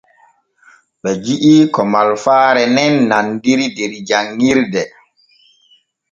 Ɓe ji’i ko malfaare nen nandiri der janɲirde.